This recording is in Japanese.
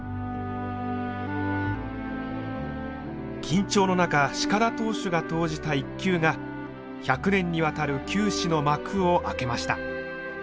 緊張の中鹿田投手が投じた一球が１００年にわたる球史の幕を開けました。